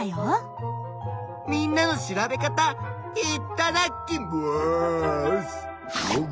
みんなの調べ方いっただきます！